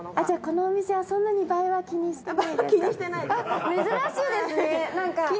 じゃこのお店はそんなに映えは気にしてないですか？